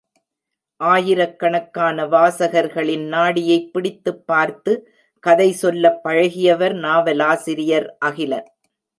ஆயிரக் கணக்கான வாசகர்களின் நாடியைப் பிடித்துப் பார்த்து கதை சொல்லப் பழகியவர் நாவலாசிரியர் அகிலன்.